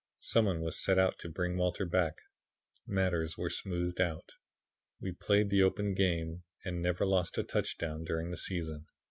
Some one was sent out to bring Walter back; matters were smoothed out; we played the open game and never lost a touchdown during the season.